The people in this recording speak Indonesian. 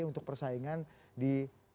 untuk persaingan di dua ribu dua puluh empat